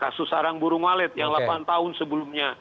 kasus sarang burung walet yang delapan tahun sebelumnya